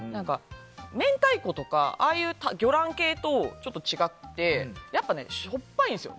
明太子とか、ああいう魚卵系とちょっと違ってやっぱりしょっぱいんですよ。